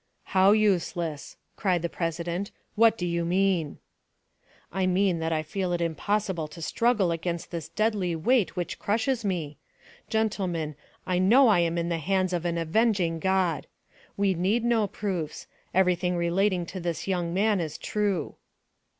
"How useless?" cried the president, "what do you mean?" "I mean that I feel it impossible to struggle against this deadly weight which crushes me. Gentlemen, I know I am in the hands of an avenging God! We need no proofs; everything relating to this young man is true."